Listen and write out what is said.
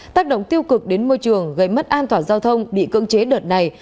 tác động tiêu cực đến môi trường gây mất an toàn giao thông bị cưỡng chế đợt này